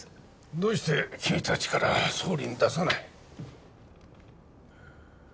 どうして君達から総理に出さない？